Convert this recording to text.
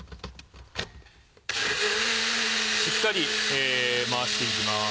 しっかり回していきます。